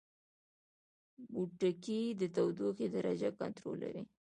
پوټکی د تودوخې درجه کنټرولوي